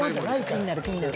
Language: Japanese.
気になる気になる。